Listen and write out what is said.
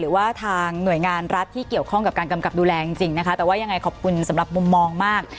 หรือว่าทางหน่วยงานรัฐที่เกี่ยวข้องกับการกำกับดูแลจริงนะคะแต่ว่ายังไงขอบคุณสำหรับมุมมองมาก